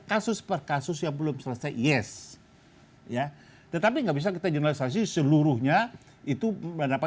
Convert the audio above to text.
kasus per kasus yang belum selesai yes ya tetapi nggak bisa kita junalisasi seluruhnya itu berapa